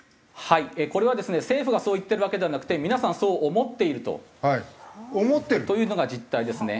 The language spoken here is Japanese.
これはですね政府がそう言っているわけではなくて皆さんそう思っているというのが実態ですね。